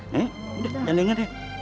nih udah jangan denger deh